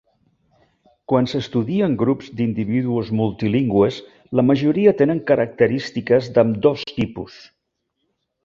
Quan s'estudien grups d'individus multilingües, la majoria tenen característiques d'ambdós tipus.